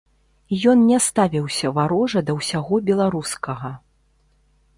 Ён не ставіўся варожа да ўсяго беларускага.